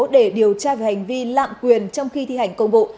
để điều tra về hành vi lạm quyền trong khi thi hành công vụ